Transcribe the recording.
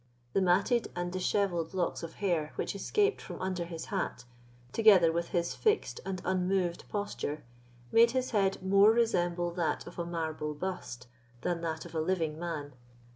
The matted and dishevelled locks of hair which escaped from under his hat, together with his fixed and unmoved posture, made his head more resemble that of a marble bust than that of a living man.